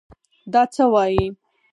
دا څه وايې.